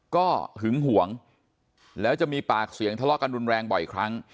ก็หึงห่วงแล้วจะมีปากเสียงทะเลาะกันรุนแรงบ่อยครั้ง